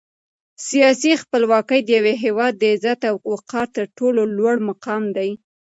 سیاسي خپلواکي د یو هېواد د عزت او وقار تر ټولو لوړ مقام دی.